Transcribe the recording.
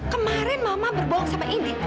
kemarin mama berbohong sama indi